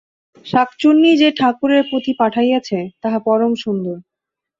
শাঁকচুন্নী যে ঠাকুরের পুঁথি পাঠাইয়াছে, তাহা পরম সুন্দর।